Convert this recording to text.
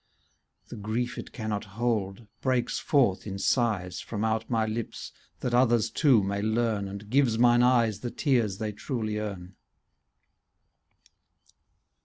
The grief it cannot hold breaks forth in sighs, From out my lips that others too may learn, And gives mine eyes the tears they truly earn.